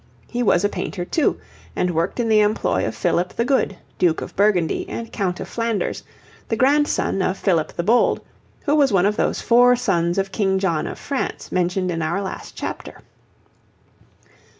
He was a painter too, and worked in the employ of Philip the Good, Duke of Burgundy and Count of Flanders, the grandson of Philip the Bold, who was one of those four sons of King John of France mentioned in our last chapter.